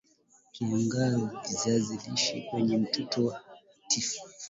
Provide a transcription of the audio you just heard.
Kaanga viazi lishe kwenye moto hafifu